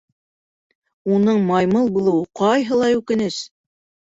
— Уның маймыл булыуы ҡайһылай үкенес!